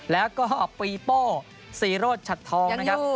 แล้วก็ปีโปซีโรดชัดทอง